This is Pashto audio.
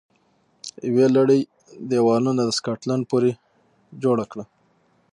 یوه لړۍ دېوالونه د سکاټلند پورې جوړه کړه